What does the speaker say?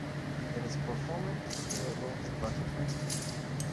It is performant, scalable and budget friendly